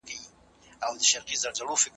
د مور روغتيا د کور سکون ساتي.